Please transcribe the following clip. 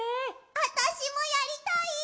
あたしもやりたい！